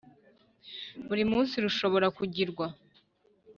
buri munsi rushobora kugirwa.